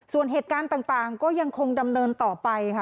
ส่วนเหตุการณ์ต่างก็ยังคงดำเนินต่อไปค่ะ